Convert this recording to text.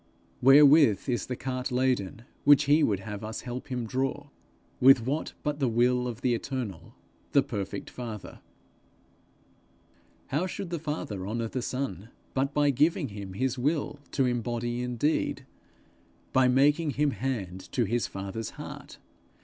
Wherewith is the cart laden which he would have us help him draw? With what but the will of the eternal, the perfect Father? How should the Father honour the Son, but by giving him his will to embody in deed, by making him hand to his father's heart!